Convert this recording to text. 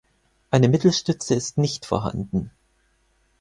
Eine Mittelstütze ist nicht vorhanden.